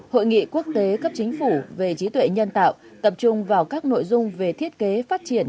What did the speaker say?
hội nghị quốc tế cấp chính phủ về trí tuệ nhân tạo tập trung vào các nội dung về thiết kế phát triển